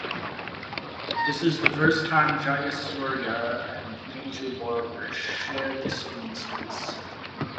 This is the first time Jayasurya and Manju Warrier share the screen space.